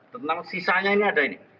tentang sisanya ini ada ini